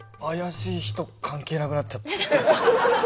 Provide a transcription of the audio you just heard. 「あやしい人」関係なくなっちゃった。